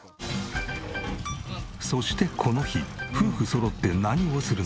そしてこの日夫婦そろって何をするのか？